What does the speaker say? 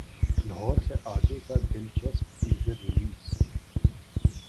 لاہور سے اگے کا دلچسپ ٹیزر ریلیز